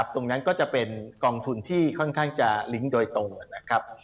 ตรงนั้นก็จะเป็นกองทุนที่ค่อนข้างจะลิงก์โดยตรงนะครับ